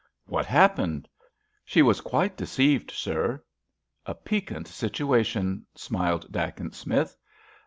"What happened?" "She was quite deceived, sir!" "A piquant situation," smiled Dacent Smith.